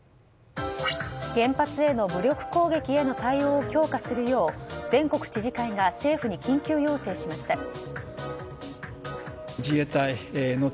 原発への武力攻撃への対応を強化するよう全国知事会が政府に緊急要請しました。